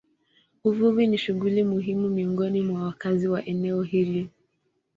Uvuvi ni shughuli muhimu miongoni mwa wakazi wa eneo hili.